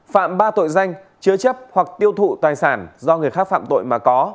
phạm ba tội danh chứa chấp hoặc tiêu thụ tài sản do người khác phạm tội mà có